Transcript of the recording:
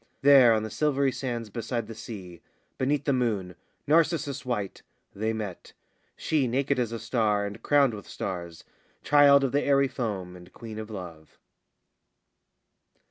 There on the silvery sands beside the sea, Beneath the moon, narcissus white, they met, She naked as a star and crowned with stars, Child of the airy foam and Queen of Love.